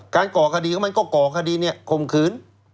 การก่อคดีเขามันก็ก่อคดีนี่คมขืน